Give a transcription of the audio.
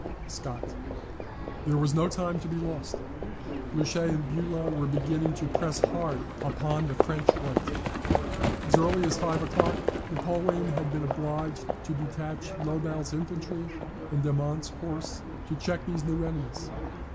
SCOTT.] There was no time to be lost Blucher and Bulow were beginning to press hard upon the French right. As early as five o'clock, Napoleon had been obliged to detach Lobau's infantry and Domont's horse to check these new enemies.